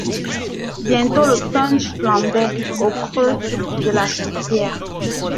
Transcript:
Bientôt le punch flambait au creux de la soupière.